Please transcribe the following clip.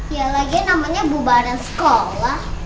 ya lagi namanya bubaran sekolah